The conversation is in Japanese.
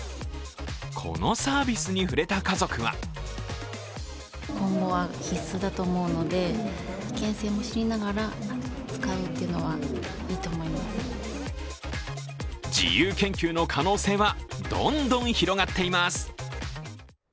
このサービスに触れた家族は自由研究の可能性はどんどん広がっています